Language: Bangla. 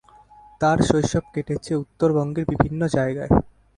তার শৈশব কেটেছে উত্তরবঙ্গের বিভিন্ন জায়গায়।